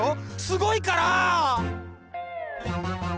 すごいから！